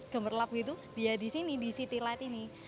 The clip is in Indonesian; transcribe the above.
gemerlap gitu dia di sini di city light ini